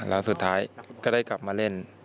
แล้วสุดท้ายก็ได้กลับมาเล่น